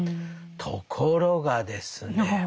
ところがですね